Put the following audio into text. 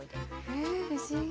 え不思議。